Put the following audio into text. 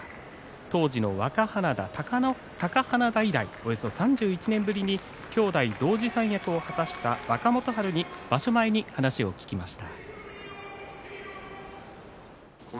当時の若花田貴花田以来３１年ぶりに兄弟同時三役を果たした若元春に場所前に話を聞きました。